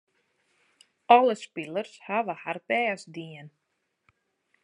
Alle spilers hawwe har bêst dien.